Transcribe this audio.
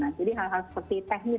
jadi hal hal seperti teknis